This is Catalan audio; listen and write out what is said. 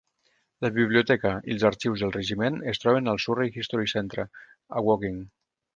La biblioteca i els arxius del regiment es troben al Surrey History Centre, a Woking.